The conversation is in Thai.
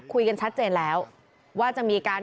คุยกันชัดเจนแล้วว่าจะมีการ